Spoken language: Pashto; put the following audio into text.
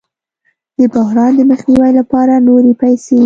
د بحران د مخنیوي لپاره نورې پیسې